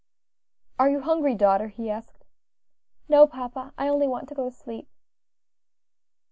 "Are you hungry, daughter?" he asked. "No, papa; I only want to go to sleep."